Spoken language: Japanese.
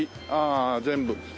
ああ全部。